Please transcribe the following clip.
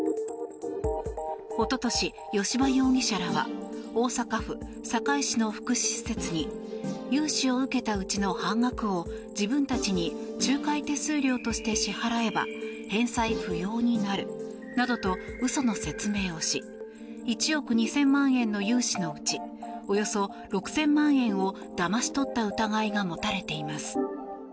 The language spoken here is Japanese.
一昨年、吉羽容疑者らは大阪府堺市の福祉施設に融資を受けたうちの半額を自分たちに仲介手数料として支払えば返済不要になるなどと嘘の説明をし１億２０００万円の融資のうちおよそ６０００万円をだまし取った疑いが持たれています。